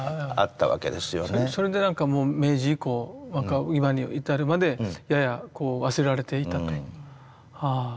それで明治以降今に至るまでやや忘れられていたと。